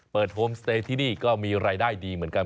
โฮมสเตย์ที่นี่ก็มีรายได้ดีเหมือนกัน